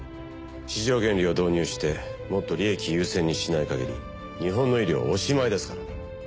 市場原理を導入してもっと利益優先にしないかぎり日本の医療はおしまいですから。